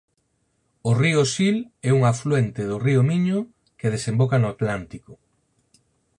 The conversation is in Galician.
O Río Sil é un afluente do Río Miño, que desemboca no Atlántico